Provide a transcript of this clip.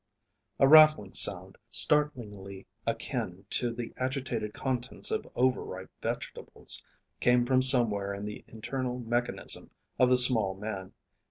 A rattling sound, startlingly akin to the agitated contents of over ripe vegetables, came from somewhere in the internal mechanism of the small man.